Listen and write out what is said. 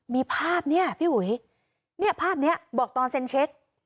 มีภาพเนี่ยพี่อุ๋ยเนี่ยภาพนี้บอกตอนเซ็นเช็ค